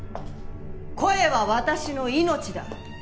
声は私の命だ」